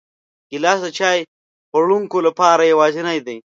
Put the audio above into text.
ګیلاس د چای خوړونکو لپاره یوازینی دی.